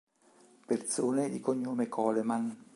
Persone di cognome Coleman